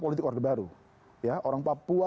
politik order baru orang papua